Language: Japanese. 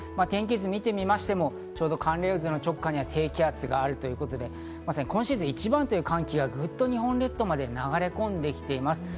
天気図を見てみましても、寒冷渦の直下には低気圧があるということで、今シーズン一番という寒気がぐっと日本列島まで流れ込んできています。